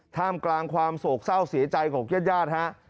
ท่ามกลางความโศกเศร้าเสียใจของญาติญาติฮะ